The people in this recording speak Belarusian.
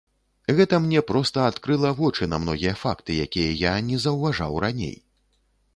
Гэта мне проста адкрыла вочы на многія факты, якія я не заўважаў раней.